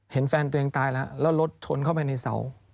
เห็นแฟนตัวเองตายแล้วแล้วรถชนเข้าไปในเสา